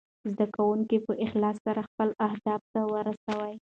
زده کونکي په اخلاص سره خپل اهداف ته ورسوي.